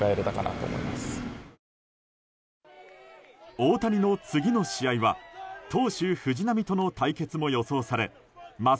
大谷の次の試合は投手・藤浪との対決も予想されます。